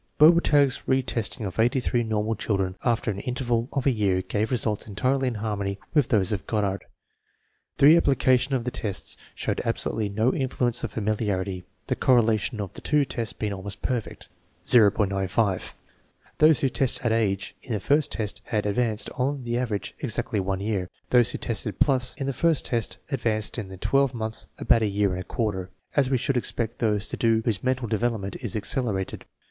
Bobertag's retesting of 83 normal children after an in terval of a year gave results entirely in harmony with those of Goddard. The reapplication of the tests showed absolutely no influence of familiarity, the correlation of the two tests being almost perfect (.95). Those who tested " at age " in the first test had advanced, on the average, exactly one year. Those who tested plus in the first test advanced in the twelve months about a year and a quarter, as we should expect those to do whose mental development is accelerated.